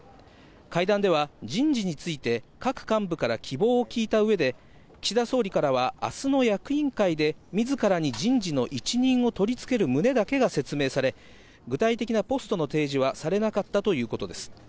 会談では人事について、各幹部から希望を聞いたうえで、岸田総理からは、あすの役員会で、みずからに人事の一任を取り付ける旨だけが説明され、具体的なポストの提示はされなかったということです。